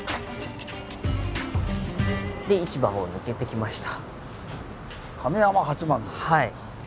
で市場を抜けてきました。